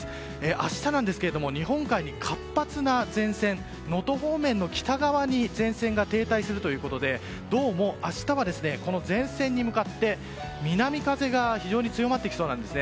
明日なんですが日本海に活発な前線能登方面の北側に前線が停滞するということでどうも、明日はこの前線に向かって南風が非常に強まってきそうなんです。